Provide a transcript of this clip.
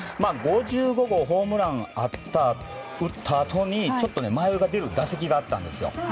５５号ホームラン、打ったあとにちょっと迷いが出る打席があったんですよ。